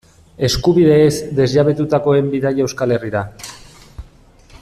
Eskubideez desjabetutakoen bidaia Euskal Herrira.